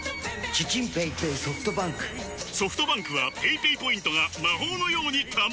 ソフトバンクはペイペイポイントが魔法のように貯まる！